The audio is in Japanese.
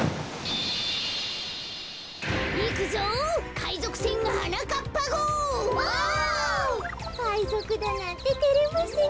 かいぞくだなんててれますねえ。